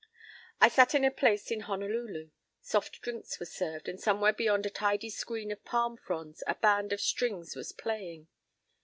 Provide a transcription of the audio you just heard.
p> I sat in a place in Honolulu. Soft drinks were served, and somewhere beyond a tidy screen of palm fronds a band of strings was playing.